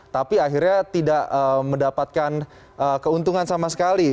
tapi akhirnya tidak mendapatkan keuntungan sama sekali